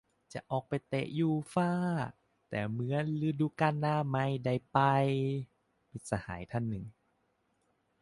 "จะออกไปเตะยูฟ่า แต่เหมือนฤดูกาลหน้าไม่ได้ไป" - มิตรสหายท่านหนึ่ง